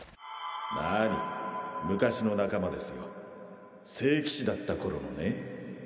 なあに昔の仲間ですよ聖騎士だった頃のね